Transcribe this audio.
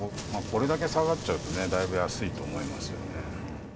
これだけ下がっちゃうとね、だいぶ安いと思いますよね。